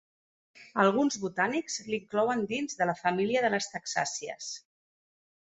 Alguns botànics l'inclouen dins de la família de les taxàcies.